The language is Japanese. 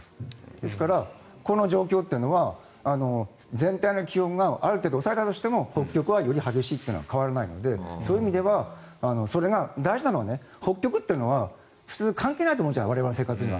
ですからこの状況というのは全体の気温がある程度抑えられたとしても北極が激しいのは変わらないのでそういう意味では大事なのは北極というのは関係ないと思うでしょう我々の生活には。